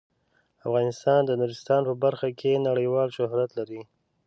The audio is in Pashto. افغانستان د نورستان په برخه کې نړیوال شهرت لري.